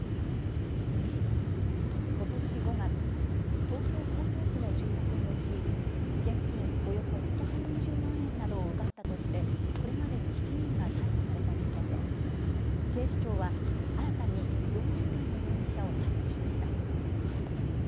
ことし５月、東京江東区の住宅に押し入り現金およそ２４０万円などを奪ったとして、これまでに７人が逮捕された事件で警視庁は新たに４０代の容疑者を逮捕しました。